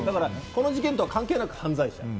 この事件とは関係なく犯罪者。